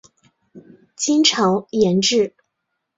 金朝沿置。